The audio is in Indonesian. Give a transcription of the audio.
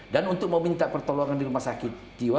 dan untuk meminta pertolongan di rumah sakit jiwa